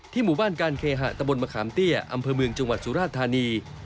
หมู่บ้านการเคหะตะบนมะขามเตี้ยอำเภอเมืองจังหวัดสุราชธานี